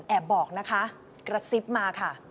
บอกนะคะกระซิบมาค่ะ